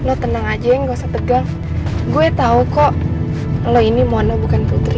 mona lo tenang aja yang gak usah tegang gue tahu kok lo ini mona bukan putri